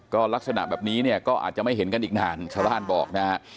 ก็ลักษณะแบบนี้เนี่ยก็อาจจะไม่เห็นกันอีกนานชาวบ้านบอกนะฮะ